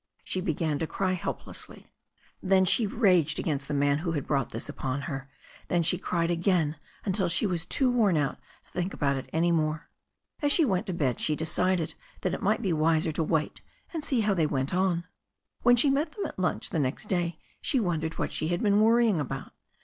She began to cry helplessly. Then she raged against the man who had brought this upon her, then she cried again until she was too worn out to think about it any more. As she went to bed she decided that it might be wiser to wait and see how they went on. When she met them at lunch the next day she wondered what she had been worrying about.